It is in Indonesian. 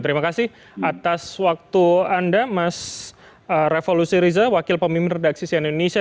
terima kasih atas waktu anda mas revolusi riza wakil pemimpin redaksi sian indonesia